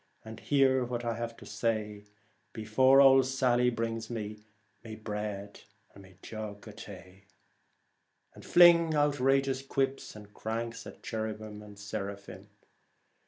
And hear what I have to say Before ould Salley brings me My bread and jug of tay ; and fling outrageous quips and cranks at cherubim and seraphim.